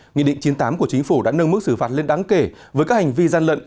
nghị định chín mươi tám của chính phủ đã nâng mức xử phạt lên đáng kể với các hành vi gian lận